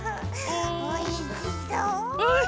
おいしそう！